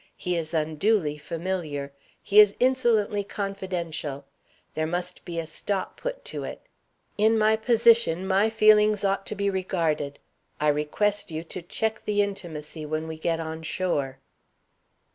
He is unduly familiar; he is insolently confidential. There must be a stop put to it. In my position, my feelings ought to be regarded. I request you to check the intimacy when we get on shore."